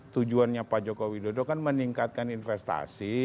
tujuannya pak joko widodo kan meningkatkan investasi